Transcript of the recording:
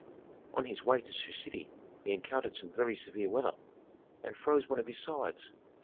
On his way to Sioux City he encountered some very severe weather, and froze one of his sides.